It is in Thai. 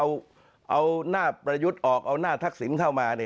เอาหน้าประยุทธ์ออกเอาหน้าทักษิณเข้ามา